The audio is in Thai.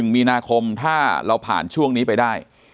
มีนาคมถ้าเราผ่านช่วงนี้ไปได้